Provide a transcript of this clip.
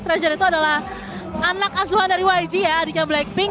treasure itu adalah anak asuhan dari yg ya dika blackpink